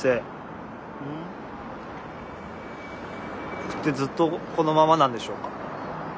僕ってずっとこのままなんでしょうか。